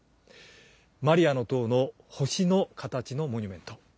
マリアの塔の星の形のモニュメント。